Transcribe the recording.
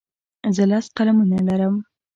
زه لس قلمونه لرم.